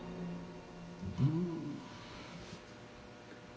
うん。